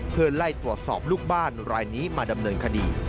เพื่อไล่ตรวจสอบลูกบ้านรายนี้มาดำเนินคดี